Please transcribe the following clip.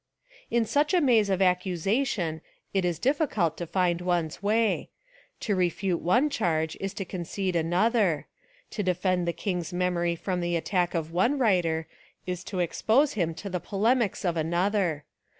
In such a maze of accusation It Is difficult to find one's way: to refute one charge Is to concede another: to defend the king's memory from the attack of one writer is to expose him to the polemics of another.